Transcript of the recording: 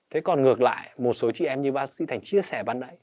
thế còn ngược lại một số chị em như bác sĩ thành chia sẻ bạn nãy